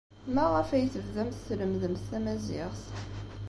Maɣef ay tebdamt tlemmdemt tamaziɣt?